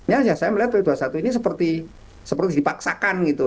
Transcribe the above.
ya saya melihat p dua puluh satu ini seperti dipaksakan gitu